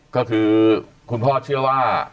ก็คือคุณพ่อเชื่อว่า